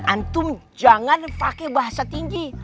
antum jangan pakai bahasa tinggi